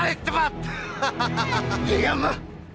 hah udah kita berdua